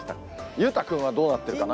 裕太君はどうなってるかな？